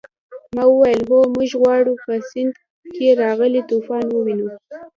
ما وویل هو موږ غواړو په سیند کې راغلی طوفان ووینو.